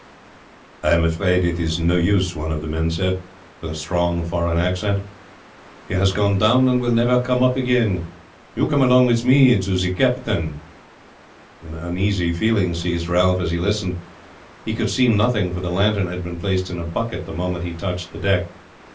"I am afraid it's no use," one of the men said, with a strong foreign accent; "he has gone down and will never come up again. You come along with me to the captain." An uneasy feeling seized Ralph as he listened. He could see nothing, for the lantern had been placed in a bucket the moment that he touched the deck.